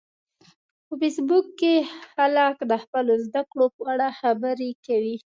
په فېسبوک کې خلک د خپلو زده کړو په اړه خبرې کوي